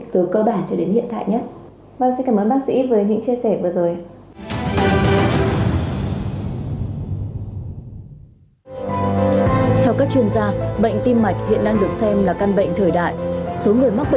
từ cơ bản cho đến hiện tại nhất